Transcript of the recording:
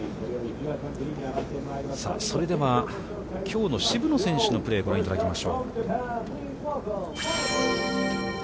それでは、きょうの渋野選手のプレーをご覧いただきましょう。